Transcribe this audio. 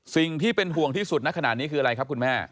สิ่งที่เป็นห่วงที่สุดในขณะนี้คืออะไรครับคุณแม่